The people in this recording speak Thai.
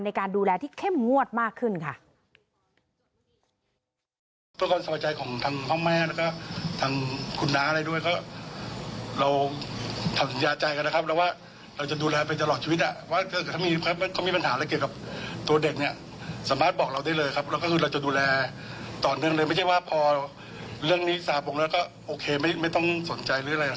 ในการดูแลที่เข้มงวดมากขึ้นค่ะ